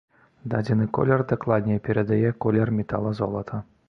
Дадзены колер дакладней перадае колер метала-золата.